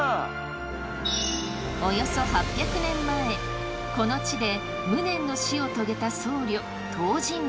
およそ８００年前この地で無念の死を遂げた僧侶東尋坊。